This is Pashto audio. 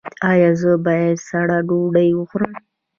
ایا زه باید سړه ډوډۍ وخورم؟